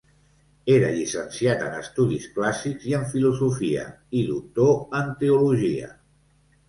Era llicenciat en Estudis clàssics i en Filosofia, i doctor en Teologia.